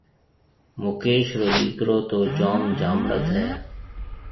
مڪيش رو ڏِيڪرو تو جوم جامڙد هيَ۔